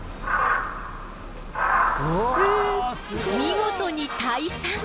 見事に退散！